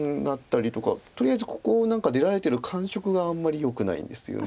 とりあえずここを何か出られてる感触があんまりよくないんですよね。